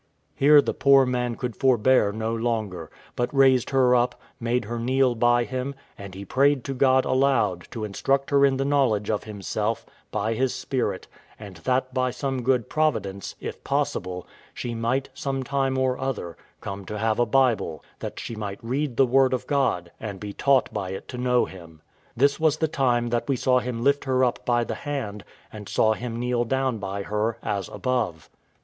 Here the poor man could forbear no longer, but raised her up, made her kneel by him, and he prayed to God aloud to instruct her in the knowledge of Himself, by His Spirit; and that by some good providence, if possible, she might, some time or other, come to have a Bible, that she might read the word of God, and be taught by it to know Him. This was the time that we saw him lift her up by the hand, and saw him kneel down by her, as above.